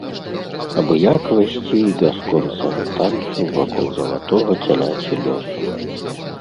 Абыякавасці і бясконцага танцу вакол залатога цяляці лёсу.